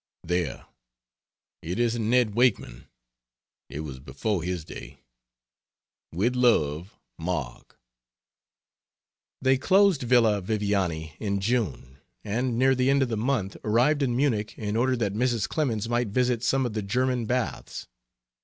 There it isn't Ned Wakeman; it was before his day. With love, MARK. They closed Villa Viviani in June and near the end of the month arrived in Munich in order that Mrs. Clemens might visit some of the German baths.